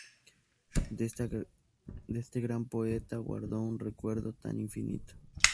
De este gran poeta guardo un recuerdo tan infinito.